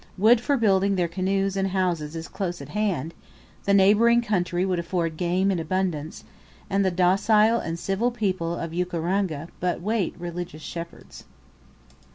Wood for building their canoes and houses is close at hand; the neighbouring country would afford game in abundance; and the docile and civil people of Ukaranga but wait religious shepherds.